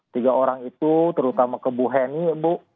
tiga orang itu terutama ke bu heni ya bu